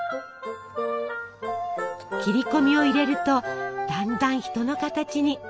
切り込みを入れるとだんだん人の形に。